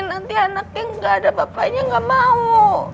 nanti anaknya nggak ada bapaknya nggak mau